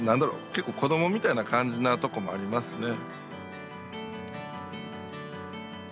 結構子どもみたいな感じなとこもありますね。